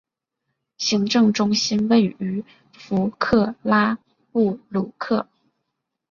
行政中心位于弗克拉布鲁克。